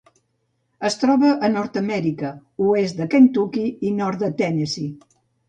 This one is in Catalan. Es troba a Nord-amèrica: oest de Kentucky i nord de Tennessee.